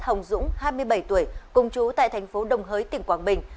hồng dũng hai mươi bảy tuổi cùng chú tại thành phố đồng hới tỉnh quảng bình